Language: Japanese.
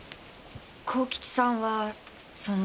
幸吉さんはその。